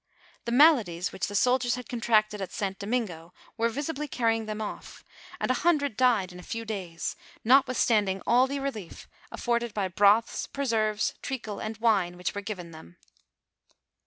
Th*? maladies which the soldiei s had con tracted at St. Domingo, were visibly carrying them off, and 13 194 NARRATIVE OF FATHER LE CLERCQ. K .(!£■■: l 30 a hundred died in a few days, notwithstanding all the relief afforded by broths, preserves, treacle, and wine, which were given them.